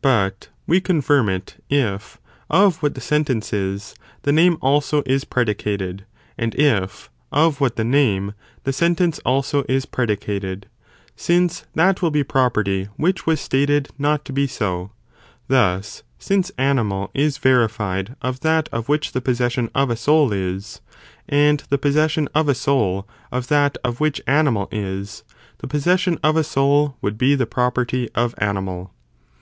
But we confirm it, if, of what the sentence is, the name also is predicated, and if, of what the name, the sentence also is predicated, since that will be property which was stated not to be so; thus, since animal is verified of that of which the possession of a soul is, and the possession of a soul of that of which animal is, the possession of a soul would be the property of animal.